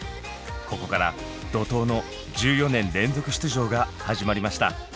ここから怒とうの１４年連続出場が始まりました。